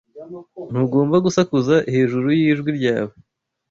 Ntugomba gusakuza hejuru yijwi ryawe.